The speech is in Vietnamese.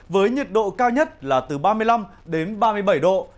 với nhiệt độ cao nhất là từ ba mươi năm đến ba mươi bảy độ